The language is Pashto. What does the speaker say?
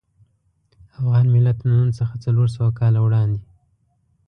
افغان ملت له نن څخه څلور سوه کاله وړاندې.